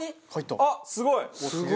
あっすごい！